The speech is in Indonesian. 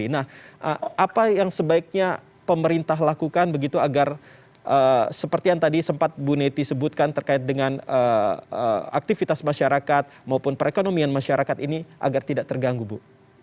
nah apa yang sebaiknya pemerintah lakukan begitu agar seperti yang tadi sempat bu neti sebutkan terkait dengan aktivitas masyarakat maupun perekonomian masyarakat ini agar tidak terganggu bu